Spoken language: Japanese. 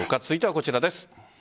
続いてはこちらです。